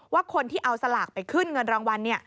ว่าคนที่เอาสลากไปขึ้นเงินรางวัล